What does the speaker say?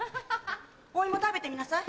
お芋食べてみなさい。